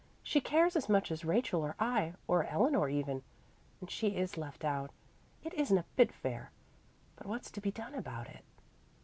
"She cares as much as Rachel or I, or Eleanor even. And she is left out. It isn't a bit fair, but what's to be done about it?"